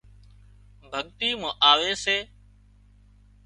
ڀڳتي مان آوي سي